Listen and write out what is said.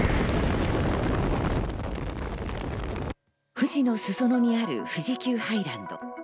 富士の裾野にある富士急ハイランド。